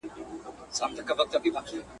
چی یې مرگ نه دی منلی په جهان کي.